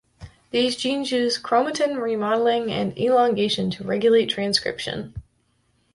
These genes use chromatin remodeling and elongation to regulate transcription.